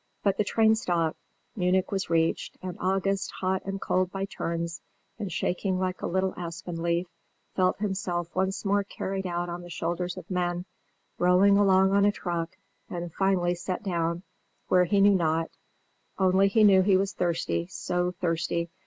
But the train stopped; Munich was reached, and August, hot and cold by turns, and shaking like a little aspen leaf, felt himself once more carried out on the shoulders of men, rolled along on a truck, and finally set down, where he knew not, only he knew he was thirsty so thirsty!